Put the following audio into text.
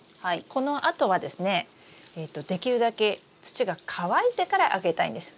このあとはですねできるだけ土が乾いてからあげたいんです。